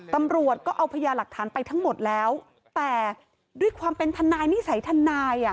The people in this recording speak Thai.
ตำรวจก็เอาพญาหลักฐานไปทั้งหมดแล้วแต่ด้วยความเป็นทนายนิสัยทนายอ่ะ